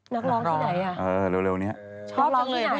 นักรองที่ไหนอ่ะ